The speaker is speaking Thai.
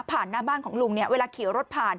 หน้าบ้านของลุงเนี่ยเวลาขี่รถผ่าน